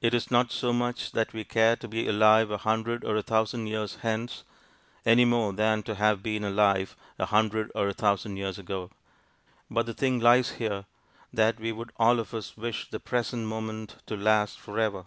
It is not so much that we care to be alive a hundred or a thousand years hence, any more than to have been alive a hundred or a thousand years ago: but the thing lies here, that we would all of us wish the present moment to last for ever.